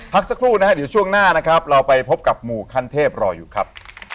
พักสักครู่นะฮะเดี๋ยวช่วงหน้านะครับเราไปพบกับหมู่ขั้นเทพรออยู่ครับ